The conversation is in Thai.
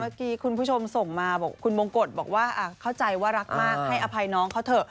คุณผู้ชมส่งมาบอกคุณมงกฎบอกว่าเข้าใจว่ารักมากให้อภัยน้องเขาเถอะ